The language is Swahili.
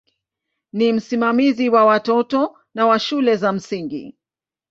Ni msimamizi wa watoto na wa shule za msingi.